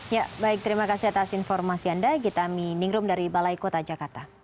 ya baik terima kasih atas informasi anda gita miningrum dari balai kota jakarta